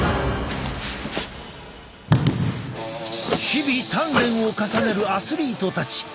日々鍛錬を重ねるアスリートたち。